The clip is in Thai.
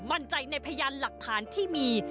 มั่นใจในพยานหลักฐานที่มี